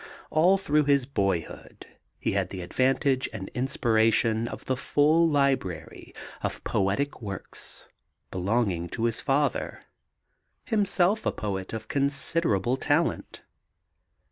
All through his boyhood he had the advantage and inspiration of the full library of poetic books belonging to his father, himself a poet of considerable talent.